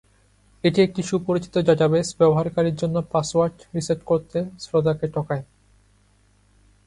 এটি একটি সুপরিচিত ডাটাবেস ব্যবহারকারীর জন্য পাসওয়ার্ড রিসেট করতে শ্রোতাকে ঠকায়।